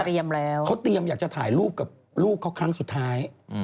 เขาเตรียมอยากจะถ่ายรูปกับลูกเขาครั้งสุดท้าย